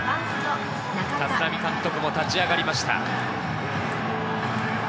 立浪監督も立ち上がりました。